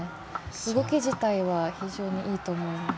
動き自体は非常にいいと思います。